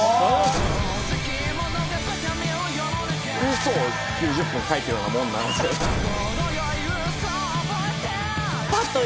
嘘を９０分書いてるようなものなんすよ。